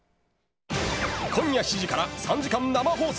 今夜７時から３時間生放送。